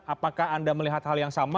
apakah anda melihat hal yang sama